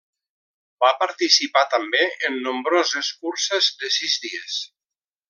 Va participar també en nombroses curses de sis dies.